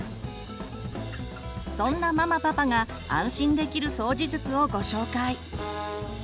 そんなママパパが安心できる掃除術をご紹介。